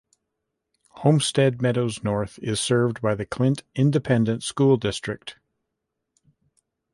Homestead Meadows North is served by the Clint Independent School District.